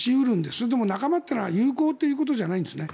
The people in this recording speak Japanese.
それでも仲間というのは友好ということじゃないんですね。